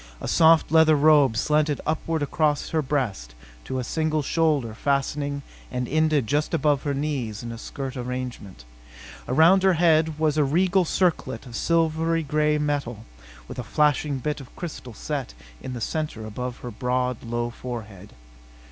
A soft leather robe slanted upward across her breast to a single shoulder fastening and ended just above her knees in a skirt arrangement. Around her head was a regal circlet of silvery gray metal with a flashing bit of crystal set in the center above her broad, low forehead.